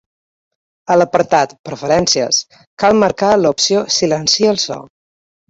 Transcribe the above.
A l’apartat “Preferències”, cal marcar l’opció “Silencia el so”.